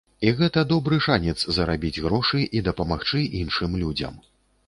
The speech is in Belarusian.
І гэта добры шанец зарабіць грошы і дапамагчы іншым людзям.